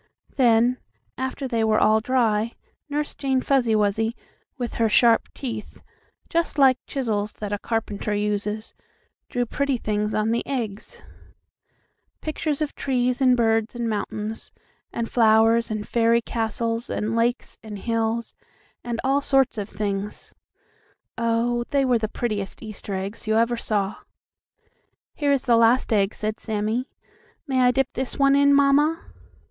Then, after they were all dry, Nurse Jane Fuzzy Wuzzy, with her sharp teeth, just like chisels that a carpenter uses, drew pretty things on the eggs; pictures of trees and birds and mountains and flowers and fairy castles and lakes and hills, and all sorts of things. Oh, they were the prettiest Easter eggs you ever saw! "Here is the last egg," said Sammie. "May I dip this one in, mamma?"